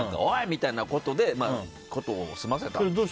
みたいなことで事を済ませたんですけど。